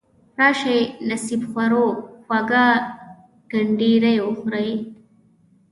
راشئ نصیب خورو خواږه کنډیري وخورئ.